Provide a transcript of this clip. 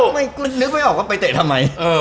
มันนึกไม่ออกไปเตะทำไม